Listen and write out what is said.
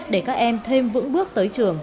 để các em thêm vững bước tới trường